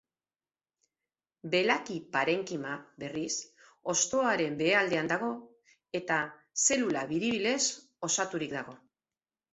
Belaki-parenkima, berriz, hostoaren behealdean dago eta zelula biribilez osaturik dago.